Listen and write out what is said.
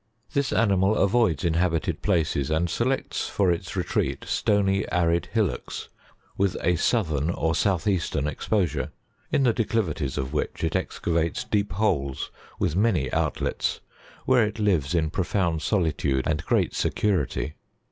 57. This animal avoids inhabited places, and selects for its re treat stony arid hillocks with a southern or southeastern exposure, in the declivities of which, it excavates deep holes with many out lets, where it lives in profound solitude and great security.